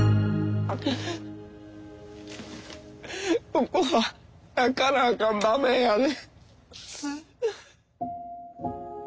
ここは泣かなあかん場面やで。